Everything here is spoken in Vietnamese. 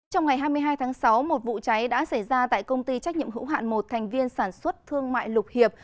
trong ngày hai mươi hai tháng sáu một vụ cháy đã xảy ra tại công ty trách nhiệm hữu hạn một thành viên sản xuất thương mại lục hiệp